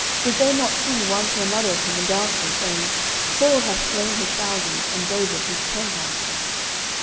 did they not sing one to another of him in dances, saying, Saul hath slain his thousands, and David his ten thousands?